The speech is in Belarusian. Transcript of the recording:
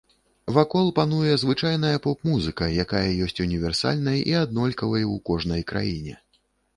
Вакол пануе звычайная поп-музыка, якая ёсць універсальнай і аднолькавай у кожнай краіне.